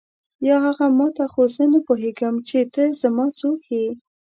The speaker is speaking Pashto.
یا هغه ما ته خو زه نه پوهېږم چې ته زما څوک یې.